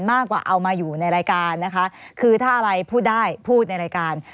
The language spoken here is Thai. มากกว่าเอามาอยู่ในรายการนะคะคือถ้าอะไรพูดได้พูดในรายการ